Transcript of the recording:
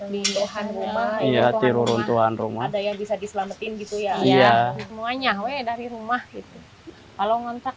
rumah rumah rumah rumah bisa diselamatin gitu ya iya semuanya weh dari rumah itu kalau ngontrak